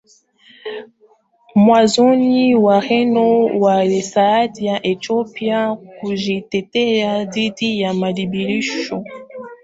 Mwanzoni Wareno walisaidia Ethiopia kujitetea dhidi ya mashambulio